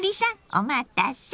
お待たせ！